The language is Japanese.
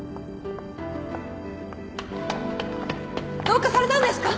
どうかされたんですか？